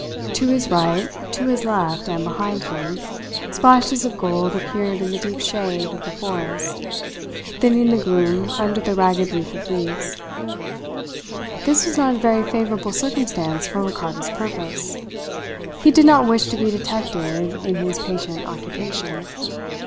To his right, to his left, and behind him, splashes of gold appeared in the deep shade of the forest, thinning the gloom under the ragged roof of leaves. This was not a very favourable circumstance for Ricardo's purpose. He did not wish to be detected in his patient occupation.